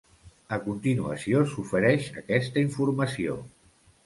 A continuació s'ofereix aquesta informació.